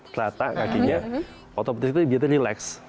selata kakinya otot betis itu biasanya relax